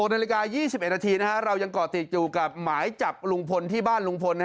นาฬิกา๒๑นาทีเรายังก่อติดอยู่กับหมายจับลุงพลที่บ้านลุงพล